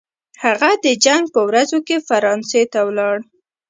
هغه د جنګ په ورځو کې فرانسې ته ولاړ.